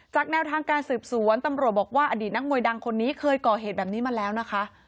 แนวทางการสืบสวนตำรวจบอกว่าอดีตนักมวยดังคนนี้เคยก่อเหตุแบบนี้มาแล้วนะคะ